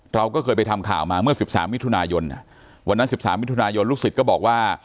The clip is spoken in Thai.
เราก็เคยไปทำข่าวมาเมื่อ๑๓มิถุนายนวันนั้น๑๓มิถุนายนลูกศิษย์ก็บอกว่า